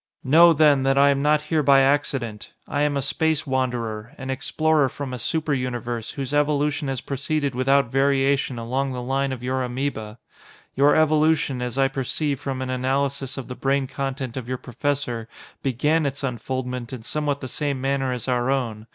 "Know, then, that I am not here by accident. I am a Space Wanderer, an explorer from a super universe whose evolution has proceeded without variation along the line of your amoeba. Your evolution, as I perceive from an analysis of the brain content of your professor, began its unfoldment in somewhat the same manner as our own.